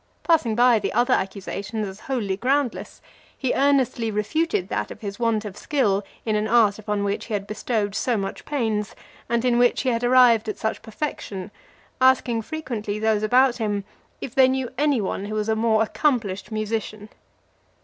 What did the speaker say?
Passing by the other accusations as wholly groundless, he earnestly refuted that of his want of skill in an art upon which he had bestowed so much pains, and in which he had arrived at such perfection; asking frequently those about him, "if they knew any one who was a more accomplished musician?"